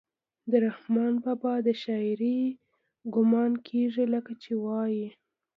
د رحمان بابا د شاعرۍ ګمان کيږي لکه چې وائي: